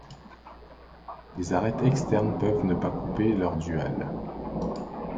Les arêtes externes peuvent ne pas couper leurs duales.